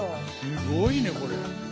すごいねこれ。